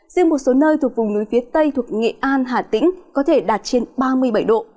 riêng một số nơi thuộc vùng núi phía tây thuộc nghệ an hà tĩnh có thể đạt trên ba mươi bảy độ